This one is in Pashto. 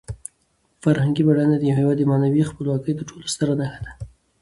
فرهنګي بډاینه د یو هېواد د معنوي خپلواکۍ تر ټولو ستره نښه ده.